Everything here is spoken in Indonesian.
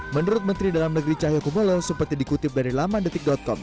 menurut menteri dalam negeri cahyokumolo seperti dikutip dari lamandetik com